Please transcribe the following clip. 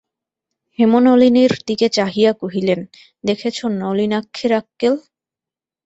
হেমনলিনীর দিকে চাহিয়া কহিলেন, দেখেছ নলিনাক্ষের আক্কেল?